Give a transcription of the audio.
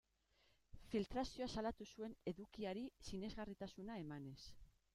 Filtrazioa salatu zuen, edukiari sinesgarritasuna emanez.